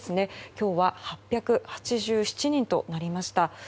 今日は８８７人となりました。